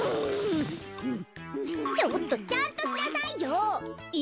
ちょっとちゃんとしなさいよ。え？